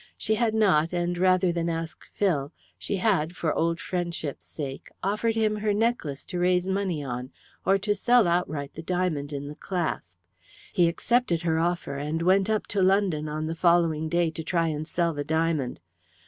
She had not, and rather than ask Phil, she had, for old friendship's sake, offered him her necklace to raise money on, or to sell outright the diamond in the clasp. He accepted her offer, and went up to London on the following day to try and sell the diamond.